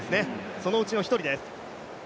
そのうちの１人です。